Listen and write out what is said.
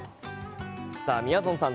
さあ、みやぞんさん